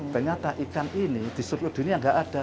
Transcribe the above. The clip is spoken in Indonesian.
ternyata ikan ini di seluruh dunia tidak ada